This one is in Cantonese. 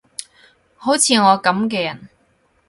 好似我噉嘅人